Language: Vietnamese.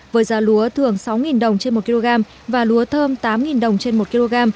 với giá lúa thường sáu đồng trên một kg và lúa thơm tám đồng trên một kg